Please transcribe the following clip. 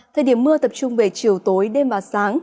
thời điểm mưa tập trung về chiều tối đêm và sáng